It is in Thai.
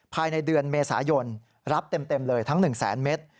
ภายในเดือนเมษายนรับเต็มเลยทั้ง๑แสนเมตร